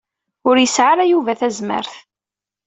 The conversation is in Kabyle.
Ur yesɛi ara Yuba tazmert.